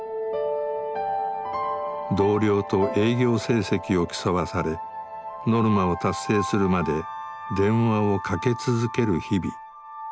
同僚と営業成績を競わされノルマを達成するまで電話をかけ続ける日々。